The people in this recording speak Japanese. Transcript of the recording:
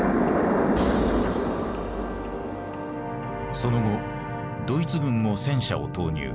その後ドイツ軍も戦車を投入。